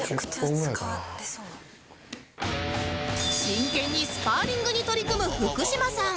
真剣にスパーリングに取り組む福島さん